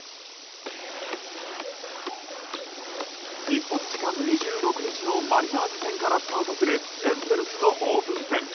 日本時間２６日のマリナーズ戦からスタートするエンゼルスのオープン戦。